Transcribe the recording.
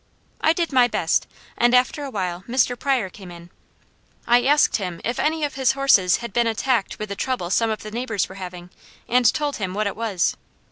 I did my best, and after a while Mr. Pryor came in. I asked him if any of his horses had been attacked with the trouble some of the neighbours were having, and told him what it was.